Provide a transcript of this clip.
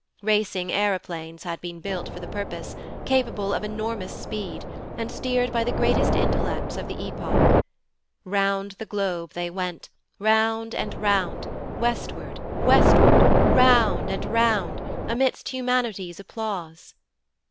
Racing aeroplanes had been built for the purpose, capable of enormous speed, and steered by the greatest intellects of the epoch. Round the globe they went, round and round, westward, westward, round and round, amidst humanity's applause.